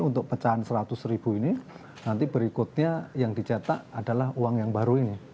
untuk pecahan seratus ribu ini nanti berikutnya yang dicetak adalah uang yang baru ini